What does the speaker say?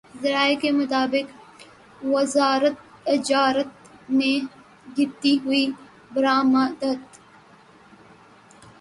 ذرائع کے مطابق وزارت تجارت نے گرتی ہوئی برآمدات